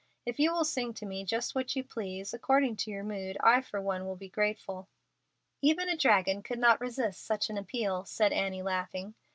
If you will sing to me just what you please, according to your mood, I for one will be grateful." "Even a dragon could not resist such an appeal," said Annie, laughing.